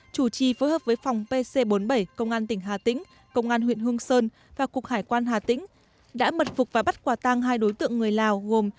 chủ trì phối hợp với phòng pc bốn mươi bảy công an tỉnh hà tĩnh công an huyện hương sơn và cục hải quan hà tĩnh đã mật phục và bắt quả tang hai đối tượng người lào gồm